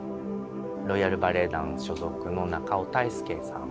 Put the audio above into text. ロイヤル・バレエ団所属の中尾太亮さん。